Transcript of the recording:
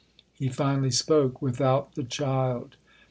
He finally spoke. "Without the child."